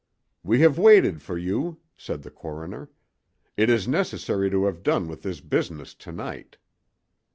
"We have waited for you," said the coroner. "It is necessary to have done with this business to night."